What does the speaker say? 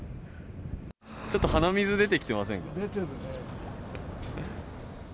ちょっと鼻水出てきてません出てるね。